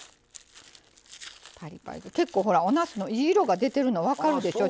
結構おなすのいい色が出てるの分かるでしょ？